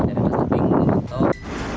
dari atas tebing memotong